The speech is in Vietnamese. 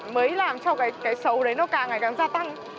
mới làm cho cái xấu đấy nó càng ngày càng gia tăng